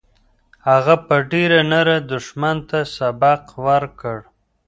هغه په ډېرې نره دښمن ته سبق ورکړ.